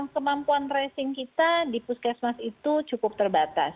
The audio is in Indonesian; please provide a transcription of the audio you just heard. kemampuan tracing kita di puskesmas itu cukup terbatas